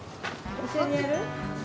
一緒にやる？